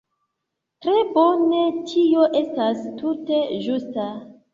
Tre bone; tio estas tute ĝusta.